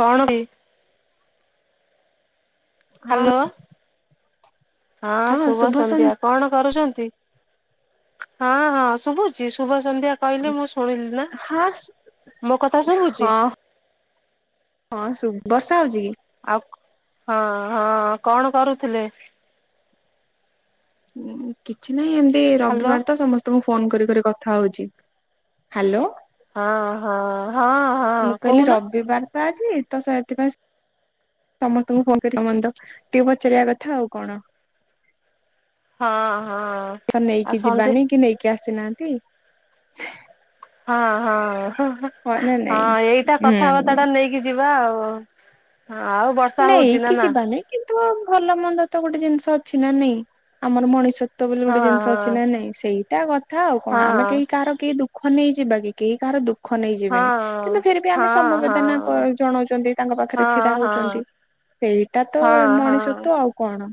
କଣ [unintelligible] ହଁ ହ୍ୟାଲୋ। ହଁ ଶୁଭ ସନ୍ଧ୍ୟା। କଣ କରୁଛନ୍ତି, ହଁ ହଁ ଶୁଭୁଛି ଶୁଭ ସନ୍ଧ୍ୟା କହିଲେ ମୁଁ ଶୁଣିଲି। ନା ହଁ ମୋ କଥା ଶୁଭୁଛି? ହଁ ହଁ ଶୁ ବର୍ଷା ହଉଛି କି? ଆଉ ହଁ ହଁ କଣ କରୁଥିଲେ? କିଛି ନାହିଁ ଏମତି ହ୍ୟାଲୋ ରବିବାର ତ ସମ ତ ଫୋନ କରି କରି କଥା ହଉଛି ହ୍ୟାଲୋ? ହଁ ହଁ ହଁ। ମୁଁ ହଁ କହିଲି କହୁନ ରବିବାର ତ ଆଜି ତ ସେଥିପାଇଁ ସମସ୍ତଙ୍କୁ ଫନ କରିବା ମାନେ ତ ଟିକେ ପଚାରିବା କଥା ଆଉ କଣ। ହଁ ହଁ। ଆଉ ନେଇକି ସନ୍ଧ୍ୟା ଯିବାନି କି ନେଇକି ଆସିନାହାନ୍ତି। ହଁ ହଁ ନା ନାଇଁ ହଁ ଏଇଟା ହୁଁ କଥାବାର୍ତ୍ତା ଟା ନେଇକି ଯିବା ଆଉ। ଆଉ ବର୍ଷା ହଉଛି ନେଇକି ନା ନା? ଯିବାନି କିନ୍ତୁ ଆ ଭଲ ମନ୍ଦ ତ ଗୋଟେ ଜିନିଷ ଅଛି ନା ନାଇଁ ଆମର ମଣିଷ ଗୀତ ବୋଲି ଗୋଟେ ହଁ ଜିନିଷ ଅଛି ନାଁ ନାଇଁ ସେଇଟା କଥା ଆଉ କଣ ଆମେ ହଁ କେହି କାହାର କେହି ଦୁ ଖ ନେଇ ଯିବା କି କେହି କାହାର ଦୁଃ ଖ ନେଇ ହଁ ଯିବେନି ହଁ। କିନ୍ତୁ ଫିର ବି ଆମେ ହଁ ହଁ ସମବେଦନା ଜଣଉଛନ୍ତି ତାଙ୍କ ପାଖରେ ହଁ ଛିଡା ହଁ ହଉଛନ୍ତି। ସେଇଟା ତ ହଁ ହଁ ହଁ। ମଣିଷତ୍ୱ ଆଉ କଣ।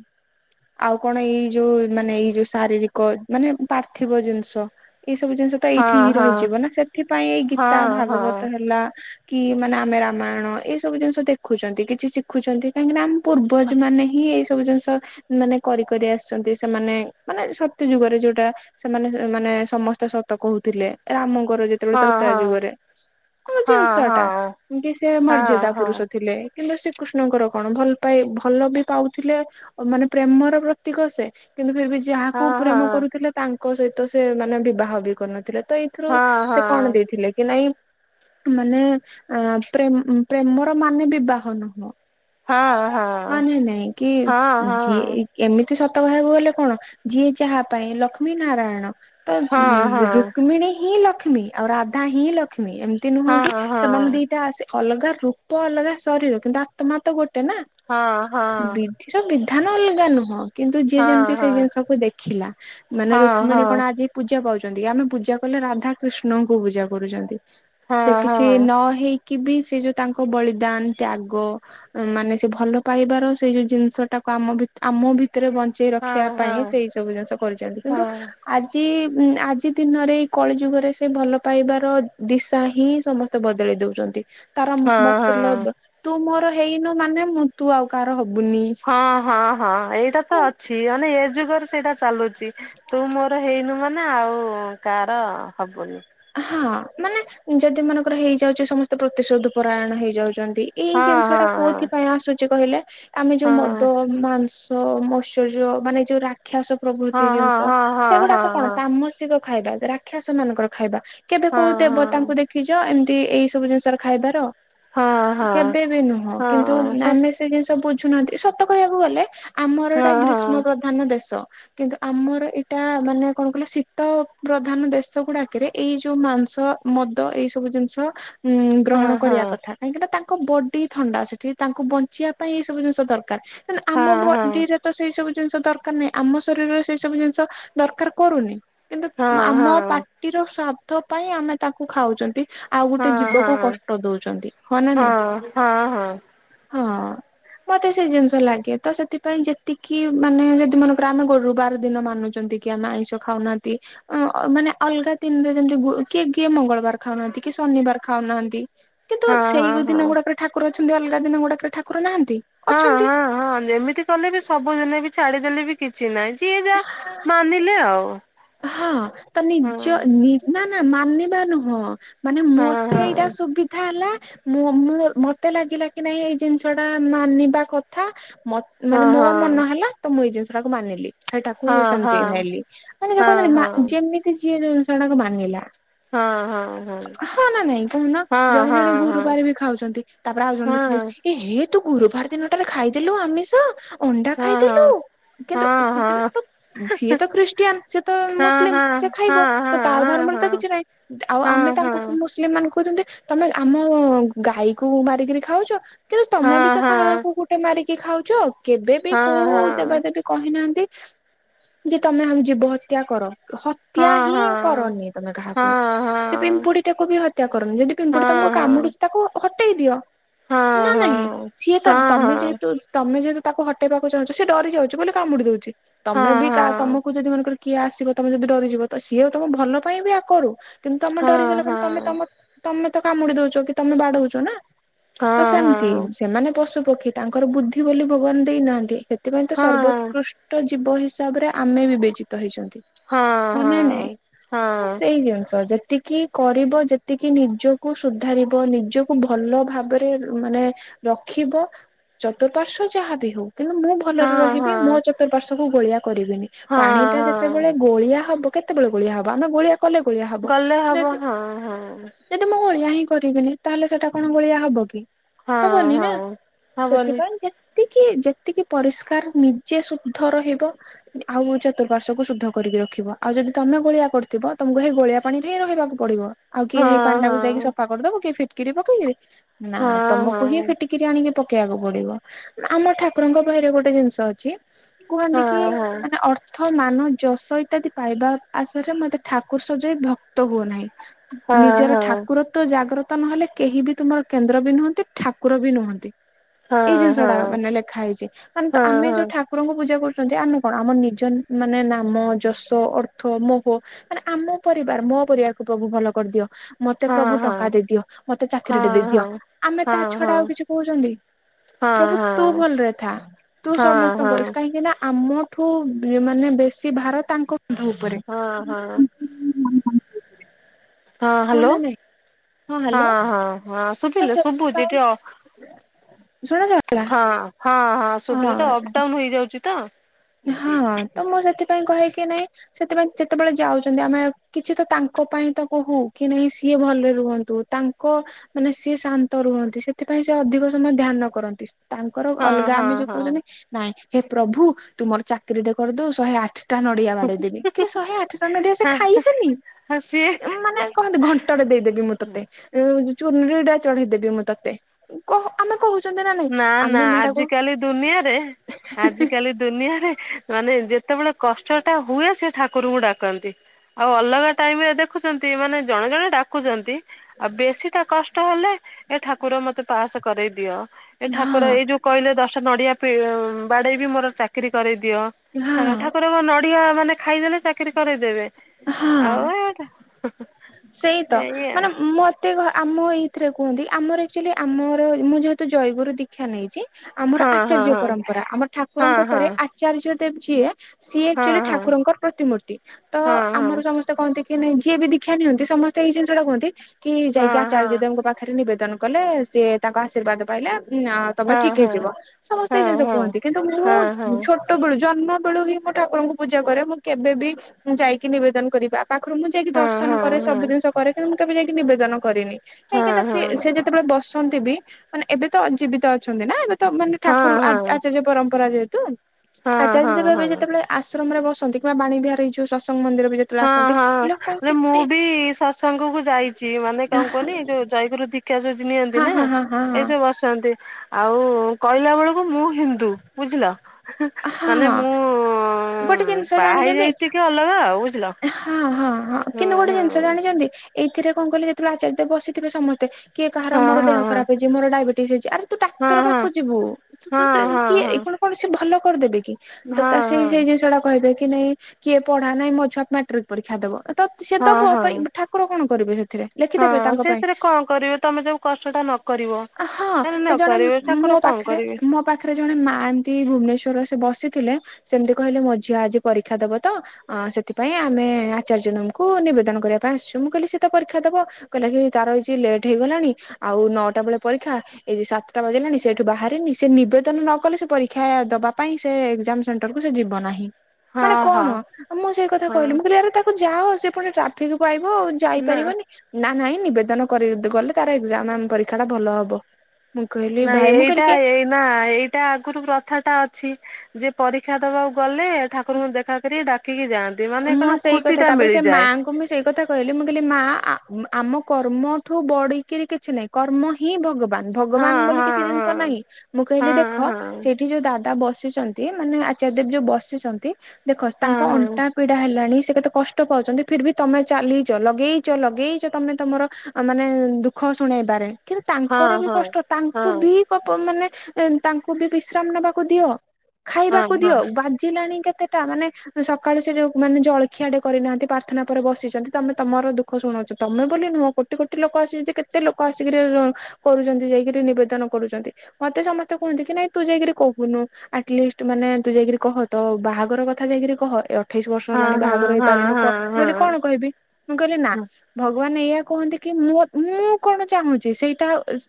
ଆଉ କଣ ଏଇ ଯୋଉ ମାନେ ଏଇ ଯୋଉ ଶାରୀରିକ ମାନେ ପାର୍ଥିବ ଜିନିଷ। ଏଇ ସବୁ ଜିନିଷ ତ ଏଇଠି ହିଁ ହଁ ରହିଯିବ ନା ସେଥିପାଇଁ ଏଇ ଗୀତା ହଁ ହଁ ଭାଗବତ ହେଲା କି ମାନେ ଆମେ ରାମାୟଣ ଏଇ ସବୁ ଜିନିଷ ଦେଖୁଛନ୍ତି କିଛି ଶିଖୁଛନ୍ତି କାହିଁକି ନା ଆ ପୂର୍ବଜ ମାନେ ହିଁ ଏଇ ସବୁ ଜିନିଷ ମାନେ କରି କରି ଆସିଛନ୍ତି ସେମାନେ ମାନେ ସତ୍ୟ ଯୁଗରେ ଯୋଉଟା। ସେମାନେ ମାନେ ସମସ୍ତେ ସତ କହୁଥିଲେ ରାମଙ୍କର ଯି ଯେତେବେଳେ ହଁ ତ୍ରେତୟା ହଁ ଯୁଗରେ ଆ ହଁ ଜିନିଷ ଟା ହଁ। ସେ ହଁ ମର୍ଯଦା ହଁ ପୁରୁଷ ଥିଲେ। କିନ୍ତୁ ସେ କୃଷ୍ଣଙ୍କର କଣ ଭଲ ପାଇ ଭଲ ବି ପାଉଥିଲେ ମାନେ ପ୍ରେମର ପ୍ରତୀକ ସେ। କିନ୍ତୁ ଫିର୍ ବି ଯାହାକୁ ହଁ ପ୍ରେମ କରୁଥିଲେ ତାଙ୍କ ସହିତ ସେ ମାନେ ବିବାହ ବି କରିନଥିଲେ ତ ଏ ଏଥିରୁ ହଁ ସେ କଣ ଦେଇଥିଲେ କି ନାଇଁ ମାନେ ଅ ପ୍ରେ ପ୍ରେମର ମାନେ ବିବାହ ନୁହଁ। ହଁ ନାଇଁ ନାଇଁ କି ହଁ ହଁ ହଁ ଯିଏ ହଁ ଏମିତି ଶତ କହିବାକୁ ଗଲେ କଣ ଯିଏ ଯାହା ପାଇଁ ଲକ୍ଷ୍ମୀ ନାରାୟଣ। ତ ହଁ ହଁ। ରୁକ୍ମିଣୀ ହିଁ ଲକ୍ଷ୍ମୀ ଆଉ ରାଧା ହିଁ ଲକ୍ଷ୍ମୀ। ଏମତି ନୁହଁ ହଁ କି ହଁ ସେମାନେ ଦିଟା ଆସି ଅଲଗା ରୂପ ଅଲଗା ଶରୀର କିନ୍ତୁ ଆତ୍ମା ତ ଗୋଟେ ନା। ହଁ ହଁ। ର ବିଧାନ ଅଲଗା ନୁହଁ। କିନ୍ତୁ ଯିଏ ଯେମିତି ହଁ ହଁ ହଁ ହଁ ସେଇ ଜିନିଷକୁ ଦେଖିଲା ମାନେ ହଁ ହଁ ରୁକ୍ମିଣୀ କଣ ହଁ। ଆଜି ପୂଜା ପାଉଛନ୍ତି କି ଆମେ ପୂଜା କଲେ ରାଧା କୃଷ୍ଣଙ୍କୁ ପୂଜା କରୁଛନ୍ତି। ହଁ ସେତିକି ନ ହେଇକି ବି ସେ ଯୋଉ ତାଙ୍କ ବଳିଦାନ, ତ୍ୟାଗ ମାନେ ସେ ଭଲ ପାଇବାର ସେଇ ଯୋଉ ଜିନିଷଟାକୁ ଆମ ଭି ଆମ ଭିତରେ ବଞ୍ଚ ଞ୍ଚେଇ ରଖିବା ପାଇଁ ସେଇ ସବୁ ଜିନିଷ କରିଛନ୍ତି କିନ୍ତୁ ଆଜି ଆଜି ଦିନରେ ଏଇ କଳି ଯୁଗରେ ସେ ଭଲ ପାଇବାର ଦିଶା ହିଁ ସମସ୍ତ ବଦଳେଇ ଦଉଛନ୍ତି। ତାର ହଁ। ମତଲବ ତୁ ମୋର ହେଇନୁ ମାନେ ମୁଁ ତୁ ଆଉ କାହାର ହବୁନି। ହଁ ହଁ ହଁ ଏଇଟା ତ ଅଛି ମାନେ ଏ ଯୁଗରେ ସେଇଟା ଚାଲୁଛି। ତୁ ମୋର ହେଇନୁ ମାନେ ଆଉ କାହାର ହବୁନି। ହଁ ମାନେ ଯଦି ମନେକର ହେଇଯାଉଛି ସମସ୍ତେ ପ୍ରତିଶୋଧ ପରାୟଣ ହେଇଯାଉଛନ୍ତି। ଏଇ ହଁ ଜିନିଷଟା ହଁ ହଁ କୋଉଥିପାଇଁ ଆସୁଛି କହିଲେ ଆମେ ଯୋଉ ହଁ। ମଦ ମାଂସ, ମୌଶ୍ୱର୍ଯ୍ୟ ମାନେ ଯୋଉ ରା ରାକ୍ଷାସ ପ୍ରଭୃତି ହଁ ଜିନିଷ ହଁ ହଁ ସେଗୁଡାକ କଣ ହଁ ତାମସିକ ଖାଇବା ରାକ୍ଷସ ମାନଙ୍କର ଖାଇବା। କେବେ ହଁ କୋଉ ଦେବତାଙ୍କୁ ଦେଖିଛ ଏମିତି ଏଇ ସବୁ ଜିନିଷର ଖାଇବାର। ହଁ ହଁ ହଁ। ହଁ ହଁ କେବେ ବି ନୁହଁ କିନ୍ତୁ ଆମେ ସେ ଜିନିଷ ବୁଝୁନାହାନ୍ତି। ସତ କହିବାକୁ ଗଲେ ଆମର ଏଇଟା ହଁ ଗ୍ରୀଷ୍ମ ପ୍ରଧାନ ଦେଶ କିନ୍ତୁ ଆମର ଏଇଟା ମାନେ କଣ କହିଲ ଶୀତ ପ୍ରଧାନ ଦେଶ ଗୁଡା କରେ ଏଇ ଯୋଉ ମାଂସ, ମଦ ଏଇ ସବୁ ଜିନିଷ ଉଁ ହଁ ଗ୍ରହଣ କରିବା କଥା। ହଁ କାହିଁକିନା ତାଙ୍କ ବଡି ଥଣ୍ଡା, ସେଠି ତାଙ୍କୁ ବଞ୍ଚିବା ପାଇଁ ଏଇ ସବୁ ଜିନିଷ ଦରକାର। ଆମ ହଁ। ବୋଡିରେ ତ ସେଇ ସବୁ ଜିନିଷ ଦରକାର ନାହିଁ। ଆମ ଶରୀରରେ ସେଇ ସବୁ ଜିନିଷ ଦରକାର କରୁନି। କିନ୍ତୁ ହଁ ଆମ ହଁ ପାଟିର ସ୍ବାଦ ପାଇଁ ଆମେ ତାକୁ ଖାଉଛନ୍ତି। ଆଉ ଗୋଟେ ହଁ ହଁ ହଁ ଜୀବକୁ ହଁ। କଷ୍ଟ ଦଉଛନ୍ତି ହଁ ନା ନାଇଁ, ହଁ ହଁ ହଁ ହଁ। ମତେ ସେ ଜିନିଷ ଲାଗେ। ତ ସେଥିପାଇଁ ଯେତିକି ମାନେ ଯଦି ମନେକର ଆମେ କର ଆମେ ଗୁରୁବାର ଦିନ ମାନୁଛନ୍ତି କି ଆମେ ଆଇଁଷ ଖାଉ ନାହାଁନ୍ତି। ଅ ଅ ମାନେ ଅଲଗା ଦିନରେ ଯେମିତି କିଏ କିଏ ମଙ୍ଗଳବାର ଖାଉ ନାହାଁନ୍ତି, କିଏ ଶନିବାର ଖାଉ ନାହାଁନ୍ତି। କିନ୍ତୁ ହଁ ସେଇ ହଁ। ଦିନ ଗୁଡାକରେ ଠାକୁର ଅଛନ୍ତି, ଅଲଗା ଦିନ ଗୁଡାକରେ ଠାକୁର ନାହାନ୍ତି। ହଁ ଅଛନ୍ତି। ହଁ ହଁ ଯେମିତି କଲେ ବି ସବୁ ଦିନେ ବି ଛାଡିଦେଲେ ବି କିଛି ନାହିଁ ଯିଏ ଯାହା ମାନିଲେ ଆଉ, ହଁ ତ ହଁ। ନିଜ ନି ନା ନା ମାନିବା ନୁହଁ, ମାନେ ହଁ ମୋତେ ହଁ ଏଇଟା ସୁବିଧା ହେଲା। ମୁଁ ମୁଁ ମତେ ଲାଗିଲା କି ନାଇଁ ଏଇ ଜିନିଷଟା ମାନିବା କଥା ମାନେ ହଁ ମୋ ମନ ହେଲା ତ ମୁଁ ଏଇ ଜିନିଷଟାକୁ ମାନିଲି। ସେଟାକୁ ସେମତି ହଁ। ନେଲି ମାନେ ଯିଏ ହଁ ହଁ କହନ୍ତିନି ହଁ ଯେମିତି ଯିଏ ଯୋଉ ଜିନିଷଟାକୁ ମାନିଲା। ହଁ ନା ନାଇଁ କହୁନ ହଁ ଜଣେ ଜଣେ ହଁ ହଁ ଗୁରୁବାର ବି ଖାଉଛନ୍ତି। ତାପରେ ଆଉ ଜଣ ହଁ ଦେଖିବେ ଏହେ ତୁ ଗୁରୁବାର ଦିନଟାରେ ଖାଇଦେଲୁ ଆମିଷ ଅଣ୍ଡା ହଁ ହଁ ଖାଇଦେଲୁ। କିନ୍ତୁ ହଁ ହଁ। ସିଏ ତ ଖ୍ରୀଷ୍ଟିଆନ ସିଏ ତ ହଁ ମୁସଲିମ ହଁ ସିଏ ଖାଇବ ହଁ ତ ତାର ଧର୍ମରେ ତ ହଁ କିଛି ନାହିଁ। ଆଉ ଆମେ ତାଙ୍କୁ ହଁ ମୁସଲିମ ମାନଙ୍କୁ କହୁଛନ୍ତି ତମେ ଆମ ଗାଈକୁ ମାରିକିରି ଖାଉଛ। କିନ୍ତୁ ତମେ ବି ତ ହଁ ହଁ ହଁ। କାହାକୁ ଗୋଟେ ମାରିକି ଖାଉଛ। କେବେ ବି କୋଉ ଦେବା ଦେବୀ କହିନାହାଁନ୍ତି। ଯେ ତମେ ଆଉ ଜୀବ ହତ୍ୟା କର। ହ ହତ୍ୟା ହଁ ହିଁ ହଁ କରନି ତମେ କାହାକୁ। ହଁ ସେ ପିମ୍ପୁଡି ଟାକୁ ବି ହତ୍ୟା କରନି। ଯଦି ପିମ୍ପୁଡି ତମକୁ ହଁ କାମୁଡୁଛି ତାକୁ ହଟେଇ ଦିଅ। ହଁ ନା ନାଇଁ ହଁ। ସିଏ ହଁ ହଁ ତ ହଁ ତମେ ଯେହେତୁ ତମେ ଯେହେତୁ ତାକୁ ହଟେଇବାକୁ ଚାହୁଁଛ ସେ ଡରି ଯାଉଛି ବୋଲି କାମୁଡି ଦଉଛି। ତମେ ହଁ ବି ହଁ କାହା ତମକୁ ହଁ। ଯଦି ମନେକର କିଏ ଆସିବ ତମେ ଯଦି ଡରିଯିବ ତ ସିଏ ଆଉ ତମ ଭଲ ପାଇଁ ବି ଆ କରୁ କିନ୍ତୁ ତମେ ଡରିଗଲେ ହଁ ମାନେ ତମେ ହଁ ତମ ତମେ ତ କାମୁଡି ଦଉଛ କି ତମେ ବାଡଉଛ ନା, ତ ସେମିତି ସେମାନେ ପଶୁ ପକ୍ଷୀ ତାଙ୍କର ବୁଦ୍ଧି ବୋଲି ଭଗବାନ ଦେଇନାହାଁନ୍ତି। ସେଥିପାଇଁ ତ ସର୍ବୋତ୍କୃଷ୍ଟ ଜୀବ ହିସାବରେ ଆମେ ବିବେଚିତ ହେଇଛନ୍ତି। ହଁ ନା ନାଇଁ, ହଁ ହଁ ହଁ ସେଇ ଜିନିଷ ଯେତିକି କରିବ ଯେତିକି ନିଜକୁ ସୁଧାରିବ ନିଜକୁ ଭଲ ଭାବରେ ମାନେ ରଖିବ ଚତୁଃପାର୍ଶ୍ଵ ଯାହା ବି ହଉ। କିନ୍ତୁ ମୁଁ ଭଲରେ ରହିବି ହଁ। ମୋ ହଁ ଚତୁଃପାର୍ଶ୍ଵକୁ ଗୋଳିଆ କରିବିନି ପାଣି ଟା ହଁ ଯେତେବେଳେ ଗୋଳିଆ ହବ କେତେବେଳେ ଗୋଳିଆ ହବ ଆମେ ଗୋଳିଆ କଲେ ଗୋଳିଆ ହବ। ଗଲେ ହବ ହଁ ହଁ ଯଦି ମୁଁ ଗୋଳିଆ ହିଁ କରିବିନି ତାହେଲେ ସେଟା କଣ ଗୋଳିଆ ହବ କି? ହଁ ହବନି ନା ହଁ। ହବନି ସେଥିପାଇଁ ଯେତିକି ଯେତିକି ପରିଷ୍କାର ନିଜେ ଶୁ ଦ୍ଧ ରହିବ ଆଉ ଚତୁଃପାର୍ଶ୍ଵକୁ ଶୁଦ୍ଧ କରିକି ରଖିବ। ଆଉ ଯଦି ତମେ ଗୋଳିଆ କରିଥିବ, ତମକୁ ହେଇ ଗୋଳିଆ ପାଣିରେ ହିଁ ରହିବାକୁ ପଡିବ। ଆଉ କିଏ ହେଇ ହଁ ହଁ ପାଣିଟାକୁ ଯାଇକି ସଫା କରିଦବ, କିଏ ଫିଟିକିରି ପକେଇକିରି ନା ହଁ ତମକୁ ହି ହଁ ଫିଟି କିରି ଆଣିକି ପକେଇବାକୁ ପଡିବ ଆମ ଠାକୁରଙ୍କ ବହିରେ ଗୋଟେ ଜିନିଷ ଅଛି ହଁ କୁହନ୍ତି କି ହଁ ହଁ। ମାନେ ଅର୍ଥ ଅର୍ଥ, ମାନ, ଯଶ ଇତ୍ୟାଦି ପାଇବା ଆଶାରେ ମତେ ଠାକୁର ସଜେଇ ଭକ୍ତ ହୁଅ ନାହିଁ। ନିଜର ହଁ ଠାକୁରତ୍ବ ଜାଗ୍ରତ ନହେଲେ, କେହି ବି ତୁମର କେନ୍ଦ୍ର ବି ନୁହଁନ୍ତି ଠାକୁର ବି ନୁହଁନ୍ତି। ହଁ ଏଇ ହଁ ଜିନିଷଟା ମାନେ ଲେଖା ହେଇଛି ମାନେ ତ ହଁ ଆମେ ଯୋଉ ଠାକ ଠାକୁରଙ୍କୁ ପୂଜା କରୁଛନ୍ତି, ଆମେ କଣ ଆମ ନିଜ ମାନେ ନାମ, ଯଶ, ଅର୍ଥ, ମୋହ ମାନେ ଆମ ପରିବାର ମୋ ପରିବାରକୁ ପ୍ରଭୁ ଭଲ କରିଦିଅ। ମତେ ହଁ ପ୍ରଭୁ ହଁ ଟଙ୍କା ଦେଇଦିଅ ମତେ ହଁ ଚାକିରିଟେ ଦେଇଦିଅ। ଆମେ ତା ହଁ ଛଡା ହଁ। ଆଉ କିଛି କହୁଛନ୍ତି କି? ହଁ ପ୍ରଭୁ ହଁ ତୁ ଭଲରେ ଥା ତୁ ହଁ ହଁ ହଁ ହଁ ସମସ୍ତଙ୍କୁ [unintelligible] କାହିଁକି କାହିଁକି ନା ଆମଠୁ ବେ ମାନେ ବେଶୀ ଭାର ନ୍ଧ ଉପରେ। ହଁ ହଁ। ହଁ ହ୍ୟାଲୋ, ନା ନାଇଁ ହଁ ହଁ ହଁ ତ ଶୁଭିଲା ଶୁଭୁଚି ସେଥିପାଇଁ [unintelligible] ହଁ ଶୁଣାଯାଉଥିଲା ହଁ ହଁ ସୁବିଲା ଟ ଅପଡାଉନ ହେଇଯାଉଛି ତ। ହଁ ତ ମୁଁ ସେଥିପାଇଁ କହେକି ନାଇଁ ସେଥିପାଇଁ ଯେତେବେଳେ ଯାଉଛନ୍ତି ଆମେ କିଛି ତ ତାଙ୍କ ପାଇଁ ତ କହୁ କି ନାଇଁ ସିଏ ଭଲରେ ରୁହନ୍ତୁ। ତାଙ୍କ ମାନେ ସିଏ ଶାନ୍ତ ରୁହନ୍ତି ସେଥିପାଇଁ ସେ ଅଧିକ ସମୟ ଧ୍ୟାନ କରନ୍ତି। ତାଙ୍କର ହଁ ଅଲଗା ହଁ ଆମେ ଯୋଉ ହଁ। କହୁଛନ୍ତି ନାଇଁ ହେ ପ୍ରଭୁ ତୁମର ଚାକିରିଟେ କରିଦଉ ଶହେ ଆଠ ଟା ନଡିଆ ବାଡ଼େଇଦେବି କିରେ ଶହେ ଆଠଟା ନଡ଼ିଆ ସେ ହଁ ଖାଇବେନି। ହଁ, ସିଏ ମାନେ କହନ୍ତି ଘଣ୍ଟଟେ ଦେଇଦେବି ମୁଁ ତୋତେ। ଯୋଉ ଚୁନୁରିଟା ଚଢେଇଦେବି ମୁଁ ତତେ। କହ ଆମେ କହୁଛନ୍ତି ନା ନା ନା ମେଢାକୁ ଆଜିକାଲି ଦୁନିଆରେ ଆଜିକାଲି ଦୁନିଆରେ ମାନେ, ଯେତେବେଳେ କଷ୍ଟ ଟା ହୁଏ ସେ ଠାକୁରଙ୍କୁ ଡାକନ୍ତି। ଆଉ ଅଲଗା ଟାଇମରେ ଦେଖୁଛନ୍ତି ମାନେ ଜଣେ ଜଣେ ଡାକୁଛନ୍ତି ଆଉ ବେଶୀ ଟା କଷ୍ଟ ହେଲେ ଏ ଠାକୁର ମତେ ପାସ୍ କରେଇ ଦିଅ। ଏ ଠାକୁର ହଁ ଏଇ ଯୋଉ କହିଲେ ଦଶଟା ନଡିଆ ପିଅ ବାଡେଇ ବି ମୋର ଚାକିରି କରେଇଦିଅ। ହଁ ହେଲା ଠାକୁରଙ୍କ ନଡିଆ ମାନେ ଖାଇଦେଲେ ଚାକିରି କରଦେବେ ହଁ ଆଉ ଏ ହୁଁ ହୁଁ। ସେଇ ତ ମାନେ ମ ତେ ଆମ ଏଇଥିରେ କୁହନ୍ତି ଆମର ଆକ୍ଟୁଆଲି ଆମର ମୁଁ ଯେହେତୁ ଜୟଗୁରୁ ଦୀକ୍ଷା ନେଇଛି। ଆମର ହଁ ହଁ ଆଚାର୍ଯ୍ୟ ହଁ ପରମ୍ପରା, ଆମର ହଁ ଠାକୁରଙ୍କ ପରେ ହଁ ଆଚାର୍ଯ୍ୟ ଦେବ ଯିଏ ସିଏ ଆକ୍ଚୁଆଲି ହଁ ଠାକୁରଙ୍କର ପ୍ରତିମୂର୍ତ୍ତି, ତ ହଁ ଆମର ହଁ ସମସ୍ତେ କହନ୍ତି କି ନାଇଁ ଯିଏ ବି ଦିକ୍ଷା ନିଅନ୍ତି, ସମସ୍ତେ ଏଇ ଜିନିଷ ଟା କୁହନ୍ତି କି ଯାଇକି ହଁ ହଁ ଆଚାର୍ଯ୍ୟଦ ପାଖ ରେ ନିବେଦନ କଲେ, ସିଏ ତାଙ୍କ ଆଶୀର୍ବାଦ ପାଇଲେ ଉନା ତମେ ହଁ ଠିକ ହଁ ହେଇଯିବ, ସମସ୍ତେ ଏଇ ହଁ ଜିନିଷ ହଁ କୁହନ୍ତି କିନ୍ତୁ ମୁଁ ହଁ ଛୋ ହଁ ଛୋଟ ବେଳୁ ଜନ୍ମ ବେଳୁ ହିଁ ମୁଁ ଠାକୁରଙ୍କୁ ପୂଜା କରେ, ମୁଁ କେବେ ବି ଯାଇକି ନିବେଦନ କରି ବା ପାଖରୁ ମୁଁ ଯାଇକି ଦର୍ଶନ ହଁ କରେ ହଁ ସବୁ ଜିନିଷ କରେ କିନ୍ତୁ ମୁଁ କେବେ ଯାଇକି ନିବେଦନ କରିନି ହଁ କାହିଁକିନା ହଁ ସିଏ ସେ ଯେତେବେଳେ ବସନ୍ତି ବି ମାନେ ଏବେ ତ ଜୀବିତ ଅଛନ୍ତି ନା ଏବେ ତ ମାନେ ଠାକୁର ହଁ ହଁ ଆ ହଁ ଆଚାର୍ଯ୍ୟ ପରମ୍ପରା ଯେହେତୁ ହଁ ଆଚାର୍ଯ୍ୟ ହଁ ଦେବ ଭବେ ହଁ ଯେତେବେଳେ ଆଶ୍ରମରେ ବସନ୍ତି କିମ୍ବା ବାଣୀ ବିହାର ଏଇ ଯୋଉ ସତସଙ୍ଗ ମନ୍ଦିର ବି ଯେତେବେଳେ ହଁ ଆସନ୍ତି। ହଁ ରେ ମୁଁ କେତେ ବି ସତସଙ୍ଗ କୁ ଯାଇଛି ମାନେ କଣ କୁହନି ଯୋଉ ଜୟଗୁରୁ ଦି କ୍ଷା ଯୋଉ ଦି ନିଅନ୍ତି ହଁ ନାଁ ହଁ ହଁ ହଁ ଏଇସବୁ ହଁ ବସନ୍ତି ଆଉ କହିଲା ବେଳକୁ ମୁଁ ହିନ୍ଦୁ। ବୁଝିଲ ହଁ ମାନେ ହଁ ମୁଁ ଗୋଟେ ଜିନିଷ ବାହା ହେଇ ଜାଣିଛନ୍ତି ଯାଇଛି ଟିକେ ଅଲଗା ଆଉ। ବୁଝିଲ ହଁ ହଁ ହଁ ହୁଁ କିନ୍ତୁ ଗୋଟେ ହୁଁ ଜିନିଷ ଜାଣିଛନ୍ତି ଏଇଥିରେ କଣ କଲେ ଯେତେବେଳେ ଆଚାର୍ଯ୍ୟ ବସିଥିବେ ସମସ୍ତେ କିଏ କାହାର ହଁ ମୋର ହଁ ଦେହ ଖରାପ ହେଇଛି। ଯେ ମୋର ଡାଇବେଟିସ୍ ହେଇଛି, ଆରେ ତୁ ହଁ ଡାକ୍ତର ପାଖକୁ ହଁ ଯିବୁୁ ତୁ ତୋତେ ହଁ ହଁ କିଏ ହଁ କଣ କୌଣସି ଭଲ କରିଦେବେ କି? ହଁ ତ ତା ହଁ ସେଇ ସେଇ ଯୋଉ ସେଇଗୁଡ଼ାକ କହିବେ କି ନାଇଁ କିଏ ପଢା ନାଇଁ ମୋ ଛୁଆ ମାଟ୍ରିକ ପରୀକ୍ଷା ଦବ। ତ ସିଏ ହଁ ଦବ ପାଇ ହଁ ଠାକୁର କଣ କରିବେ ସେ ଥିରେ ଲେଖିଦେବେ ହଁ ତାଙ୍କ ପାଇଁ, ସେଥିରେ କଣ କରିବେ ତମେ ଯୋଉ କଷ୍ଟ ଟା ନ କରିବ ହଁ ମାନେ ତ ନ ଜଣେ କରିବେ ମୋ ଠାକୁର କଣ ପାଖରେ କରିବେ ମୋ ପାଖରେ ଜଣେ ମାଆନ୍ତି ଭୁବନେଶ୍ୱର ସେ ବସିଥିଲେ। ସେମିତି କହିଲେ ମୋ ଝିଅ ଆଜି ପରୀକ୍ଷା ଦବ ତ ଅଁ ସେଥିପାଇଁ ପାଇଁ ଆମେ ଆଚାର୍ଯ୍ୟ ନାମକୁ ନିବେଦନ କରିବା ପାଇଁ ଆସୁଛୁ, ମୁଁ କହିଲି ସେ ତ ପରୀକ୍ଷା ଦବ। କହିଲା କି ତାର ଆଜି ଲେଟ୍ ହେଇଗଲାଣି ଆଉ ନଅଟା ବେଳେ ପରୀକ୍ଷା। ଏଇ ସାତଟା ବାଜିଲାଣି ସେଠୁ ବାହାରିନି ସେ ନିବେଦନ ନ କଲେ ସେ ପରୀକ୍ଷା ଦବା ପାଇଁ ସେ ଏଜାମ ସେଣ୍ଟର କୁ ସେ ଯିବ ନାହିଁ ହଁ ମାନେ କଣ ହଁ ମୁଁ ସେଇ କଥା ହଁ ଆରେ ଆରେ ତାକୁ ଯାଅ ସେ ପୁଣି ଟ୍ରାଫିକ୍ ପାଇବ ଉ ନା ଯାଇପାରିବନି। ନା ନାଇଁ ନିବେଦନ କରି ଗଲେ ତାର ଏକ୍ଜାମ ପରୀକ୍ଷା ଟା ଭଲ ହବ। ମୁଁ କହିଲି ନା ଭାଇ ମୁଁ ଏଇଟା କରିକି ଏଇ ନା ଏଇଟା ଆଗରୁ ପ୍ରଥା ଟା ଅଛି ଯେ ପରୀକ୍ଷା ଦବ ଗଲେ ଠାକୁରଙ୍କୁ ଦେଖା କରି ଡାକିକି ଯାଆନ୍ତି। ମାନେ ମୁଁ କଣ ସେଇ ଖୁସି କଥା ଟା ତାପରେ ସେ ମିଳିଯାଏ ମାଆଙ୍କୁ ମୁଁ ସେଇ କଥା କହିଲି ମୁଁ କହିଲି ମା ଆ ଆମ କର୍ମଠୁ ବଢିକିରି କିଛି ନାହିଁ କର୍ମ ହିଁ ଭଗବାନ। ହଁ ଭଗବାନ ବୋଲି ହଁ କିଛି ଜିନିଷ ନାହିଁ, ହଁ ମୁଁ କହିଲି ଦେଖ ହଁ ସେଇଠି ଯୋଉ ଦାଦା ବସିଛନ୍ତି। ସିଏ ମାନେ ଆଚାର୍ ଦେବ ଯୋଉ ବସିଛନ୍ତି ଦେଖ ହଁ ତାଙ୍କ ହଁ ଅନ ପୀଡା ହେଲାଣି ସେ କେତେ କଷ୍ଟ ପାଉଛନ୍ତି ଫିର ବି ତମେ ଚାଲିଛ ଲଗେଇଛ ଲଗେଇଛ ତମେ ତମର ତମେ ମାନେ ଦୁଃଖ ଶୁଣେଇବାରେ କିନ୍ତୁ ହଁ ତାଙ୍କର ବି ହଁ କଷ୍ଟ ହଁ ତାଙ୍କୁ ବି ହଁ ପ ପ ମାନେ ଏ ତାଙ୍କୁ ବି ବିଶ୍ରାମ ନେବାକୁ ଦିଅ, ଖାଇବାକୁ ଦିଅ ବା ବାଜିଲାଣି କେତେଟା ମାନେ ସ ସକାଳୁ ସେଜଉ ମାନେ ଜଳଖିଆଡେ କରିନାହାଁନ୍ତି। ପ୍ରାର୍ଥନା ପରେ ବସିଛନ୍ତି। ତମେ ତମର ଦୁଖ ଶୁଣଉଛ। ତମେ ବୋଲି ନୁହଁ କୋଟି କୋଟି ଲୋକ ଆସିଛନ୍ତି କେତେ ଲୋକ ଆସିକିରି କରୁଛନ୍ତି ଯାଇକିରି ନିବେଦନ କରୁଛନ୍ତି। ମତେ ସମସ୍ତେ କୁହନ୍ତି କି ନାଇଁ ତୁ ଯାଇକିରି କହୁୁନୁ। ଆଟଲିଷ୍ଟ ମାନେ ତୁ ଯାଇକରି କହ ତ ବାହାଘର କଥା ଯାଇକରି କହ। ଅଠେଇଶି ବର୍ଷ ହଁ ହେଲାଣି ହଁ ହଁ ବାହାଘର ହଁ ହେଇପାରିନୁ କ। ହଁ ମୁଁକହିଲି କଣ କହିବି? ମୁଁ କହିଲି ନା ଭଗବାନ ଏଇଆ କୁହନ୍ତି କି ମୁଁ ମୁଁ କଣ ଚାହୁଁଛି ସେଇଟା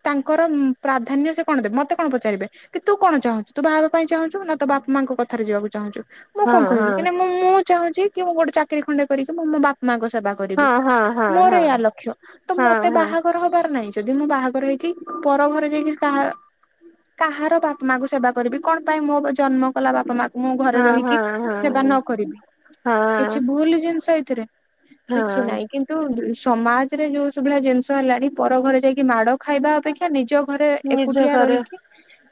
ତାଙ୍କର ପ୍ରାଧାନ୍ୟ ସେ କଣ ଦେବେ ମତେ କଣ ପଚାରିବେ? କି ତୁ କଣ ଚାହୁଁଛୁ? ତୁ ବାହା ହେବା ପାଇଁ ଚାହୁଁଛୁ, ନା ତୋ ବାପା ମାଆଙ୍କ କଥାରେ ଯିବାକୁ ଚାହୁଁଛୁ? ମୁଁ ହଁ କଣ ହଁ କହିବି, କିନା ହଁ ମୁଁ ଚାହୁଁଛି କି ମୁଁ ଗୋଟେ ଚାକିରି ଖଣ୍ଡେ କରିକି, ମୁଁ ମୋ ବା ମାଙ୍କ ସେବା କରିବି। ହଁ ହଁ ହଁ ହଁ ହଁ ମୋର ଏଇୟା ଲକ୍ଷ୍ୟ। ତ ହଁ ହଁ ମତେ ବାହାଘର ହବାର ନାଇଁ। ଯଦି ମୁଁ ବାହାଘର ହେଇକି, ପର ଘରେ ଯାଇକି କାହା କାହାର ବାପା ମାକୁ ସେବା କରିବି। କଣ ପାଇଁ ମୋ ଜନ୍ମ କଲା ବାପା ମା ମୁଁ ଘରେ ହଁ ରହିକି ହଁ ସେବା ହଁ ନ କରିବି। କିଛି ହଁ ଭୁଲ ଜିନିଷ ଏଥିରେ। କିଛି ହଁ ନାହିଁ। କିନ୍ତୁ କିନ୍ତୁ ସମାଜରେ ଯୋଉ ସବୁ ଭଳିଆ ଜିନିଷ ହେଲାଣି, ପର ଘରେ ଯାଇକି ମାଡ ଖାଇବା ଅପେକ୍ଷା ନିଜ ଘରେ ନିଜ ଏକୁଟିଆ ଘରେ ରହିକି,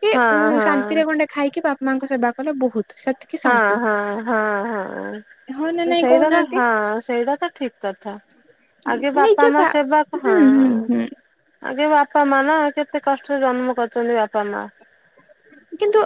କି ହଁ ଉ ହଁ। ଶାନ୍ତିରେ ଗଣ୍ଡେ ଖାଇକି ବାପା ମାଙ୍କ ସେବା କଲେ ବହୁତ। ସେ ହଁ ହଁ ହଁ ହଁ। ହଁ ନା ନାଇଁ ସେଇଟା ତ କହୁନାହାନ୍ତି? ହଁ ସେଇଟା ତ ଠିକ କଥା। ଆଗେ ବାପା ନିଜେ ମା ଭା ସେବା କ ହୁଁ ହଁ। ହୁଁ ହୁଁ ଆଗେ ବାପା ମା ନା। କେତେ କଷ୍ଟରେ ଜନ୍ମ କରିଛନ୍ତି ବାପା ମା? କିନ୍ତୁ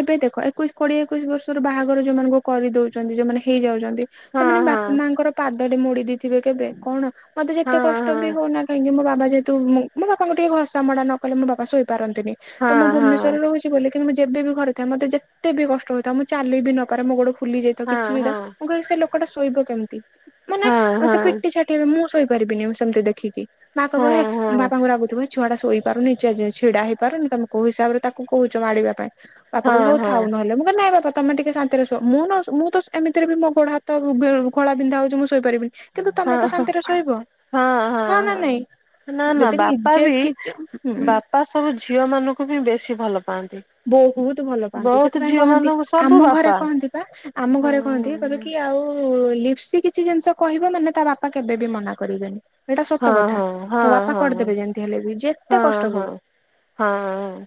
ଏବେ ଦେଖ ଏକୋଇଶ କୋଡିଏ ଏକୋଇଶି ବର୍ଷରୁ ବାହାଘର ଯୋଉ ମାନଙ୍କୁ କରି ଦଉଛନ୍ତି। ଯୋଉମାନେ ହେଇଯାଉଛନ୍ତି। ହଁ ସେମାନେ ହଁ ବାପା ମାଙ୍କର ପାଦଟେ ମୁଡି ଦେଇଥିବେ କେବେ କଣ? ମତେ ଯେତେ ହଁ କଷ୍ଟ ହଁ ବି ହଉନା କାହିଁକି ମୋ ବାବା ଯେହେତୁ ମୁଁ ମୋ ବାପାଙ୍କୁ ଟିକେ ଘସା ମୋଡା ନ କଲେ ମୋ ବାପା ଶୋଇପାରନ୍ତିନି। ତ ମୁଁ ହଁ ଭୁବନେଶ୍ୱରରେ ହଁ। ରହୁଚି ବୋଲି। କିନ୍ତୁ ମୁଁ ଯେବେ ବି ଘରେ ଥାଏ, ମତେ ଯେତେ ବି କଷ୍ଟ ହୋଇଥାଉ, ମୁଁ ଚାଲି ବି ନପାରେ, ମୋ ଗୋଡ ଫୁଲି ଯାଇ କିଛି ହଁ ବି ତ। ହଁ ମୁଁ କହିବି ସେ ଲୋକଟା ଶୋଇବ କେମିତି? ମାନେ ହଁ ହଁ ହଁ ହଁ ହଁ ସେ ପିଟି ଛା ମୁଁ ଶୋଇପାରିବିନି ସେମିତି ଦେଖିକି। ମାଆ କହିବ ହେ ମୋ ବାପାଙ୍କୁ ରାଗୁଥିବ ହେ ଛୁଆଟା ଶୋଇପାରୁନି ଛିଡା ହେଇପାରୁନି ତମେ କୋଉ ହିସାବରେ ତାକୁ କହୁଛ ମାଡିବା ପାଇଁ। ବାପା କହିବେ ହଉ ଥାଉ ହଁ। ନହେଲେ। ମୁଁ କହିଲି ନାଇଁ ବାପା ତମେ ଟିକେ ସାନ ନ୍ତିରେ ଶୁଅ। ମୁଁ ନ ମୁଁ ତ ଏମିତିରେ ବି ମୋ ଗୋଡ ହାତ ଘୋଳାବିନ୍ଧା ହଉଚି ମୁଁ ଶୋଇପାରିବିନି କିନ୍ତୁ ତମେ ତ ହଁ ହଁ ଶାନ୍ତିରେ ଶୋଇବ। ହଁ ନା ନାଇଁ। ନା ଯଦି ନିଜେ କିଛିଁ ହୁଁ। ତ ସବୁ ଝିଅ ମାନଙ୍କୁ ବି ବେଶୀ ଭଲ ପାଆନ୍ତି। ବହୁତ ଭଲ ପାଆନ୍ତି। ବହୁତ ସେଥିପାଇଁ ଝିଅ କହନ୍ତି। ମାନଙ୍କୁ ସବୁ ଆମ ଘରେ ବାପା କହନ୍ତି ପା ଆମ ହଁ ଘରେ କହନ୍ତି। କହିବେକି ଆଉ ଲିପ୍ସି କିଛି ଜିନିଷ କହିବ ମାନେ ତା ବାପା କେବେବି ମନା କରିବେନି। ଏଇଟା ହଁ ସତ କଥା। ହଁ ମୋ ବାପା ହଁ କରିଦେବେ ଯେମିତି ହେଲେବି। ଯେତେ ହଁ କଷ୍ଟ ହଁ ପଡୁ। ହଁ ଅଂ।